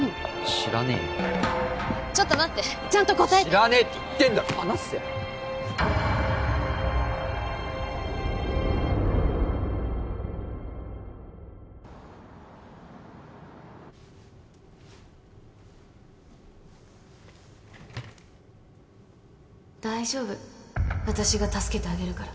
知らねえよちょっと待ってちゃんと答えて知らねえって言ってんだろ離せよ大丈夫私が助けてあげるから